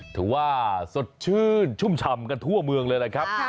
ถือว่าสดชื่นชุ่มชำกันทั่วเมืองเลยนะครับ